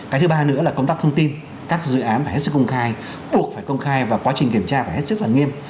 cái thứ ba nữa là công tác thông tin các dự án phải hết sức công khai buộc phải công khai và quá trình kiểm tra phải hết sức là nghiêm